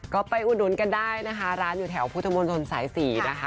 ก็ไปอุดนุนกันได้นะคะร้านอยู่แถวภูเตียนบนทรนด์๔นะคะ